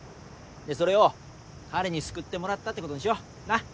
でそれを彼に救ってもらったってことにしようなっ。